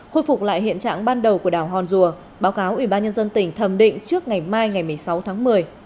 khôi phục lại hiện trạng ban đầu của đảo hòn rùa báo cáo ubnd tỉnh thầm định trước ngày mai ngày một mươi sáu tháng một mươi